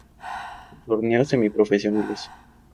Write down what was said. Torneos semiprofesionales